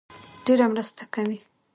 ډېره مرسته کوي